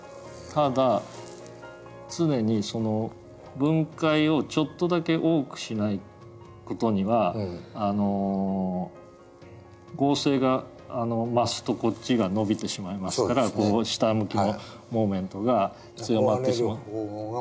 ただ常にその分解をちょっとだけ多くしない事にはあの合成が増すとこっちが伸びてしまいますからこう下向きのモーメントが強まってしまって。